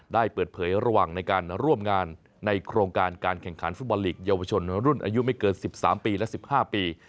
ได้เปิดเผยระหว่างในการร่วมงานในโครงการการแข่งขันฟุตบอลลีกเยาวชนรุ่นอายุไม่เกิน๑๓ปีและ๑๕ปี